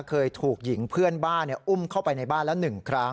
เคยถูกหญิงเพื่อนบ้านเนี้ยอุ้มเข้าไปในบ้านแล้วหนึ่งครั้ง